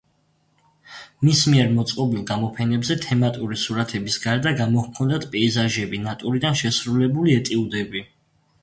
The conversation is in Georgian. მის მიერ მოწყობილ გამოფენებზე თემატური სურათების გარდა გამოჰქონდათ პეიზაჟები, ნატურიდან შესრულებული ეტიუდები.